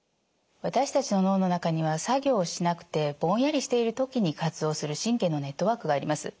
私たちの脳の中には作業をしなくてぼんやりしている時に活動する神経のネットワークがあります。